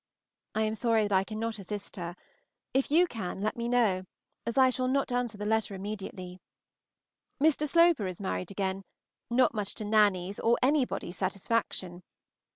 I am sorry that I cannot assist her; if you can, let me know, as I shall not answer the letter immediately. Mr. Sloper is married again, not much to Nanny's, or anybody's satisfaction.